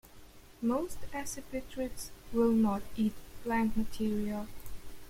Most accipitrids will not eat plant material.